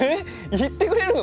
言ってくれるの？